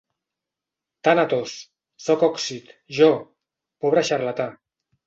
Tànatos!, sóc occit, jo, pobre xarlatà.